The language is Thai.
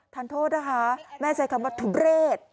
ทานโทษนะคะแม่ใช้คำว่าทุเรศ